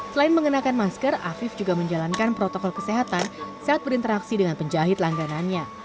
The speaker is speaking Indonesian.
selain mengenakan masker afif juga menjalankan protokol kesehatan saat berinteraksi dengan penjahit langganannya